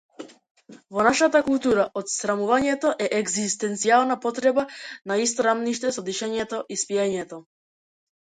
Во нашата култура, отсрамувањето е егзистенцијална потреба на исто рамниште со дишењето и спиењето.